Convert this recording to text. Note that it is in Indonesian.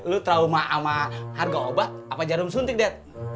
lo trauma sama harga obat apa jarum suntik dad